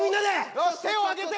よし手を上げて！